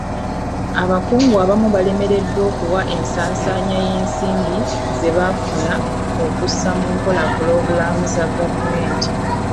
Abakungu abamu balemereddwa okuwa ensaasaanya y'ensimbi ze baafuna okussa mu nkola pulogulaamu za gavumenti.